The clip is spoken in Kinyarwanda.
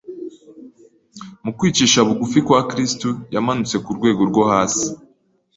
Mu kwicisha bugufi kwa Kristo yamanutse ku rwego rwo hasi